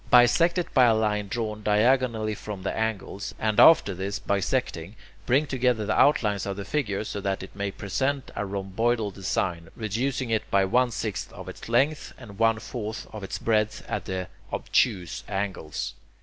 Bisect it by a line drawn diagonally from the angles, and after this bisecting bring together the outlines of the figure so that it may present a rhomboidal design, reducing it by one sixth of its length and one fourth of its breadth at the (obtuse) angles.